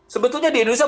sebetulnya di indonesia